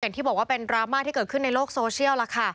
ที่บอกว่าเป็นดราม่าที่เกิดขึ้นในโลกโซเชียลล่ะค่ะ